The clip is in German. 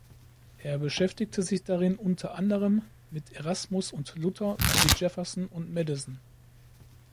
Er beschäftigte sich darin unter anderem mit Erasmus und Luther sowie Jefferson und Madison.